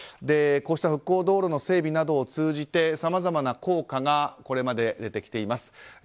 こうした復興道路の整備などを通じてさまざまな効果がこれまで出てきています。